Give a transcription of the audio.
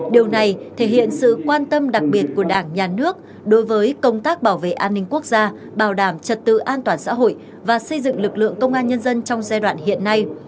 điều này thể hiện sự quan tâm đặc biệt của đảng nhà nước đối với công tác bảo vệ an ninh quốc gia bảo đảm trật tự an toàn xã hội và xây dựng lực lượng công an nhân dân trong giai đoạn hiện nay